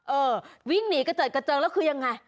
เออวิ่งหนีกระเจิดกระเจิงแล้วคือยังไง